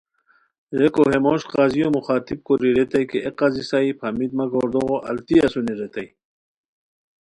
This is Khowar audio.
ریکو، ہے موش قاضیو مخاطب کوری ریتائے کی اے قاضی صاحب ہمیت مہ گوردوغو التی اسونی ریتائے